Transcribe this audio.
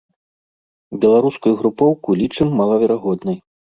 Беларускую групоўку лічым малаверагоднай.